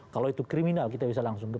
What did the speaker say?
kalau itu kriminal kita bisa langsung ke